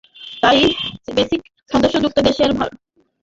তাই বেসিস সদস্যভুক্ত দেশের ভালোমানের ই-কমার্স সাইট থেকে কেনাকাটা খুবই নিরাপদ।